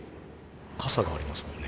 傘がありますもんね。